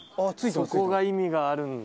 そこが意味があるんだ。